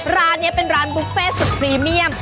ร้านนี้เป็นร้านบุฟเฟ่สุดพรีเมียม